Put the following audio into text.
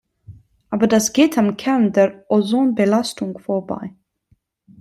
Aber das geht am Kern der Ozonbelastung vorbei.